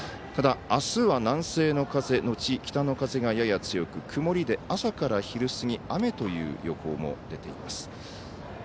ただ、あすは南西の風のち北の風がやや強く朝から昼過ぎ雨という予報も出ています。